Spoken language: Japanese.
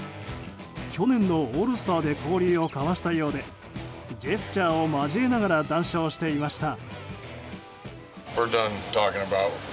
去年のオールスターで交流を交わしたようでジェスチャーを交えながら談笑していました。